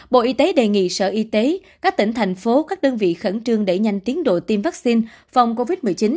bộ y tế đề nghị sở y tế các tỉnh thành phố các đơn vị khẩn trương đẩy nhanh tiến độ tiêm vaccine phòng covid một mươi chín